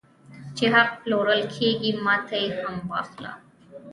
چې حق پلورل کېږي ماته یې هم واخله